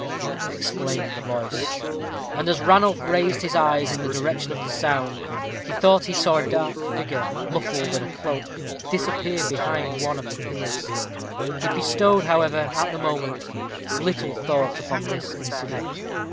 exclaimed the voice; and as Ranulph raised his eyes in the direction of the sound, he thought he saw a dark figure, muffled in a cloak, disappear behind one of the pillars. He bestowed, however, at the moment, little thought upon this incident.